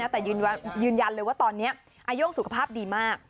แต่ยืนยันเลยว่าตอนนี้อาโย่งสุขภาพดีมาก